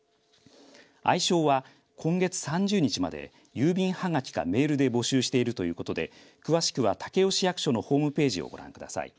愛称は、今月３０日まで郵便はがきかメールで募集しているということで詳しくは武雄市役所のホームページをご覧ください。